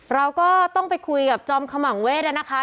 เราก็ต้องไปคุยกับจอมขมังเวทนะคะ